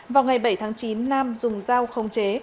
vào ngày bảy tháng chín nam dùng dao khống chế